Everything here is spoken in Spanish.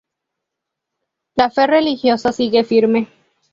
La fe religiosa sigue firme.